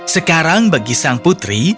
sekarang bagi sang putri